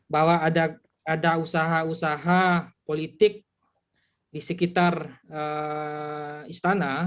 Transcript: bahwa ada usaha usaha politik di sekitar istana